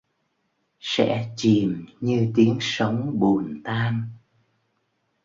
Sẽ chìm như tiếng sóng buồn tan